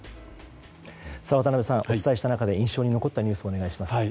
渡辺さん、お伝えした中で印象に残ったニュースをお願いします。